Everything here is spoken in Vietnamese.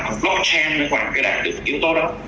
còn blockchain đảng được yếu tố đó